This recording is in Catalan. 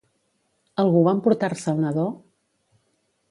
Algú va emportar-se el nadó?